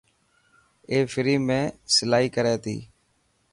اي فري ۾ سلائي ڪري تي؟